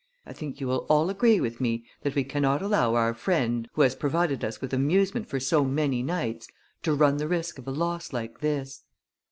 I think you will all agree with me that we cannot allow our friend, who has provided us with amusement for so many nights, to run the risk of a loss like this.